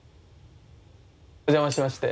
お邪魔しまして。